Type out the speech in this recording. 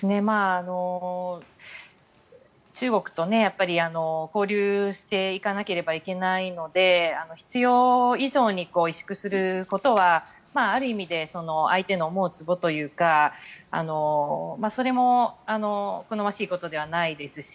中国と交流をしていかなければいけないので必要以上に萎縮することはある意味で相手の思うつぼというか、それも好ましいことではないですし